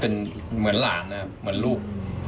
เป็นเหมือนหลานนะครับเหมือนลูก